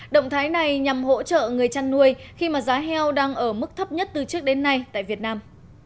động thái này nhằm hỗ trợ người chăn nuôi khi mà giá heo đang ở mức thấp nhất từ trước đến nay tại việt nam